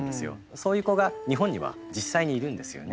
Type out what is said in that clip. そういう子が日本には実際にいるんですよね。